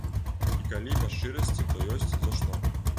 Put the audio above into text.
І калі па шчырасці, то ёсць за што.